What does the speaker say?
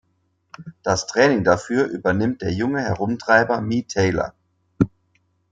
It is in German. Das Training dafür übernimmt der junge Herumtreiber Mi Taylor.